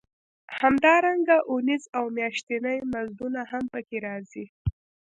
همدارنګه اونیز او میاشتني مزدونه هم پکې راځي